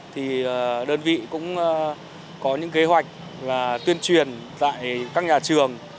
thì đơn vị cũng có những kế hoạch là tuyên truyền tại các nhà trường